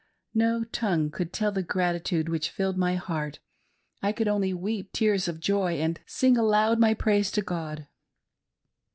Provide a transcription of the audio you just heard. No tongue could tell the gratitude which filled my heart ; I could only weep tears of joy and sing aloud my praise to God.